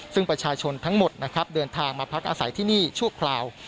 ซึ่งประชาชนทั้งหมดนะครับเดินทางมาพักอาศัยที่นี่ชั่วคราว